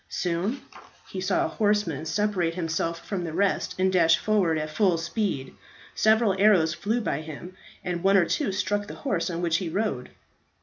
Soon he saw a horseman separate himself from the rest and dash forward at full speed. Several arrows flew by him, and one or two struck the horse on which he rode.